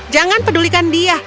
jangan pedulikan dia